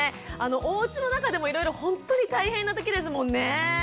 おうちの中でもいろいろほんとに大変な時ですもんね。